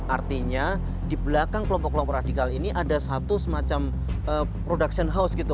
artinya di belakang kelompok kelompok radikal ini ada satu semacam production house gitu